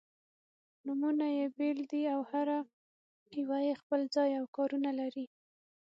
نومونه يې بېل دي او هره یوه یې خپل ځای او کار-ونه لري.